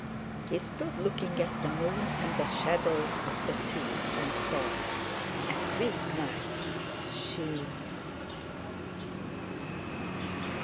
He stood looking at the moon and the shadows of the trees, and thought: "A sweet night! She...!"